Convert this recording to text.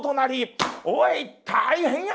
「おい大変や！